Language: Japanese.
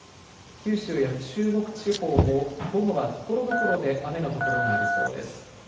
九州や中国地方も午後はところどころで雨の所がありそうです。